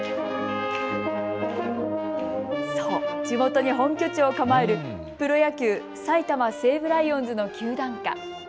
地元に本拠地を構えるプロ野球、埼玉西武ライオンズの球団歌。